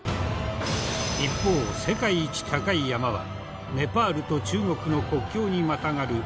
一方世界一高い山はネパールと中国の国境にまたがるエベレスト。